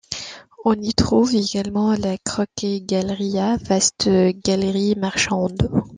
On y trouve également la Crocker Galleria, vaste galerie marchande.